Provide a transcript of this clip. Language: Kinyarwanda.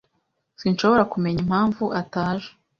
Sinshobora kumenya impamvu ataje.